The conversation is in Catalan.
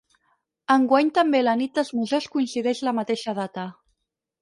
Enguany també la Nit dels Museus coincideix la mateixa data.